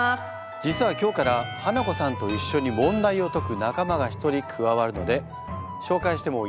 実は今日からハナコさんと一緒に問題を解く仲間が１人加わるので紹介してもいいですか？